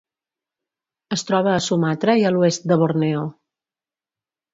Es troba a Sumatra i a l'oest de Borneo.